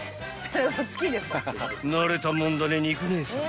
［慣れたもんだね肉姉さん］